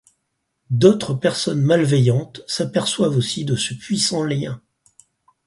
D’autres personnes malveillantes s’aperçoivent aussi de ce puissant lien...